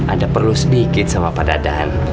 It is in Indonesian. ada perlu sedikit sama pak dadan